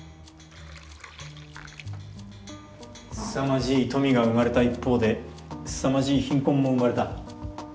凄まじい富が生まれた一方で凄まじい貧困も生まれた。